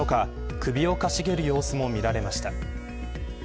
首をかしげる様子も見られました。